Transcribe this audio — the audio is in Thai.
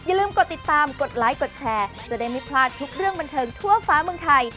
อย่าลืมกดติดตามกดไลค์กดแชร์จะได้ไม่พลาดทุกเรื่องบันเทิงทั่วฟ้าเมืองไทย